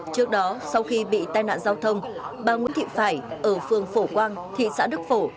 trước đó sau khi bị tai nạn giao thông bà nguyễn thị phải ở phường phổ quang thị xã đức phổ